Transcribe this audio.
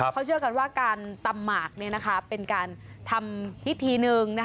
เขาเชื่อกันว่าการตำหมากเป็นการทำพิธีหนึ่ง